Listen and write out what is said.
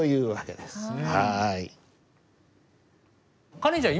カレンちゃん